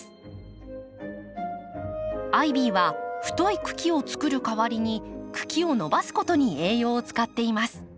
アイビーは太い茎をつくるかわりに茎を伸ばすことに栄養を使っています。